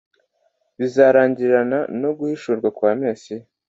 bizarangirana no guhishurwa kwa Mesiya,